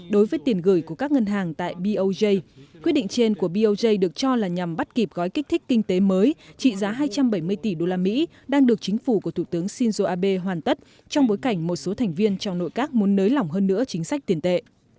đối với tiền gửi của các ngân hàng tại boj quyết định trên của boj được cho là nhằm bắt kịp gói kích thích kinh tế mới trị giá hai trăm bảy mươi tỷ usd đang được chính phủ của thủ tướng shinzo abe hoàn tất trong bối cảnh một số thành viên trong nội các muốn nới lỏng hơn nữa chính sách tiền tệ